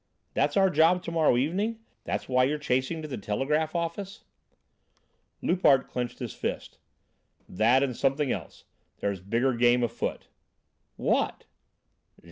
"That's our job to morrow evening? That's why you're chasing to the telegraph office?" Loupart clenched his fists. "That and something else; there's bigger game afoot." "What?"